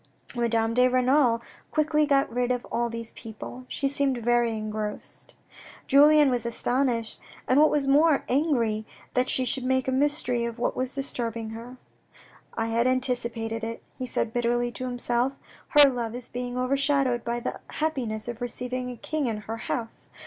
Madame de Renal quickly got rid of all these people. She seemed very engrossed. Julien was astonished, and what was more, angry that she should make a mystery of what was disturbing her, " I had anticipated it," he said bitterly to himself. " Her love is being overshadowed by the happiness of receiving a King in her house.